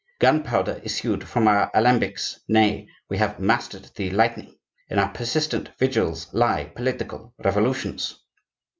Gunpowder issued from our alembics; nay, we have mastered the lightning. In our persistent vigils lie political revolutions."